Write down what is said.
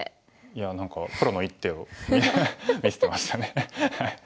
いや何かプロの一手を見せてましたね。